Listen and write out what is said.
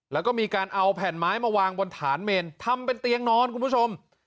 แล้วก็มีการเอาแผ่นไม้มาวางบนฐานเมนทำเป็นเตียงนอนคุณผู้ชม